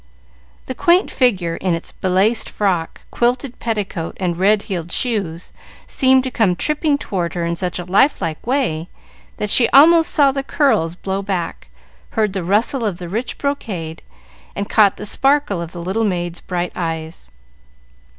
The quaint figure, in its belaced frock, quilted petticoat, and red heeled shoes, seemed to come tripping toward her in such a life like way, that she almost saw the curls blow back, heard the rustle of the rich brocade, and caught the sparkle of the little maid's bright eyes.